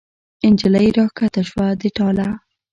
نجلۍ را کښته شوه د ټاله